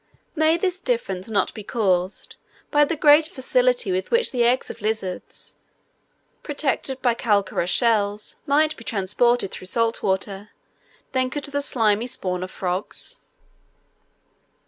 May this difference not be caused, by the greater facility with which the eggs of lizards, protected by calcareous shells might be transported through salt water, than could the slimy spawn of frogs?